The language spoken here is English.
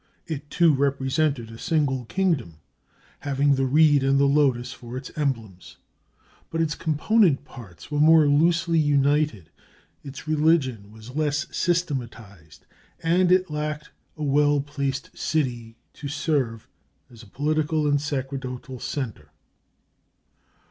It, too, represented a single kingdom, having the reed and the lotus for its emblems; but its component parts were more loosely united, its religion was less systematized, and it lacked a well placed city to serve as a political and sacerdotal centre.